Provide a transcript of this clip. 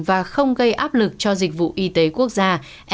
và không gây áp lực cho dịch vụ y tế quốc gia